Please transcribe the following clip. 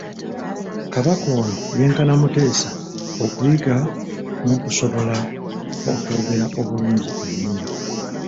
Kabaka ono yenkana Mutesa okuyiga n'okusobola okwogera obulungi ennimi.